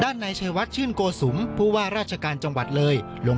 นายชัยวัดชื่นโกสุมผู้ว่าราชการจังหวัดเลยลง